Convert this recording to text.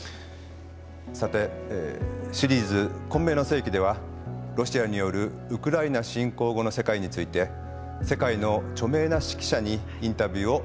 さてシリーズ「混迷の世紀」ではロシアによるウクライナ侵攻後の世界について世界の著名な識者にインタビューを行ってきました。